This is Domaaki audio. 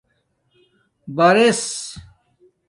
بِرس